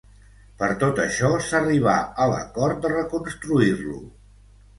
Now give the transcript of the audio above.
Per tot això s'arribà a l'acord de reconstruir-lo.